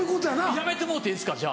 やめてもろうていいですかじゃ。